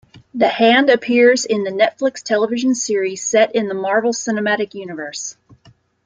The Hand appears in the Netflix television series set in the Marvel Cinematic Universe.